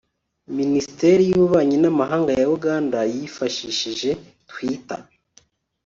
Minisiteri y’Ububanyi n’Amahanga ya Uganda yifashishije Twitter